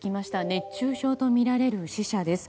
熱中症とみられる死者です。